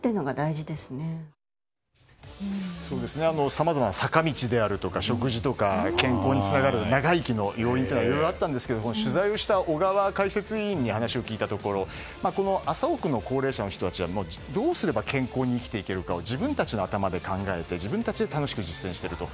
さまざまな坂道であるとか食事とか健康につながる長生きの要因はいろいろあったんですけども取材をした小川調査員に話を聞いたところ麻生区の高齢者の人たちはどうすれば健康に生きていけるかを自分たちの頭で考えて、自分たちで楽しく実践していると。